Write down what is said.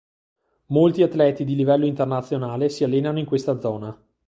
Molti atleti di livello internazionale si allenano in questa zona.